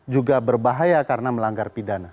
juga berbahaya karena melanggar pidana